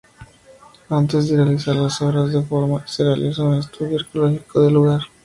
Antes de realizar las obras de reforma se realizó un estudio arqueológico del lugar.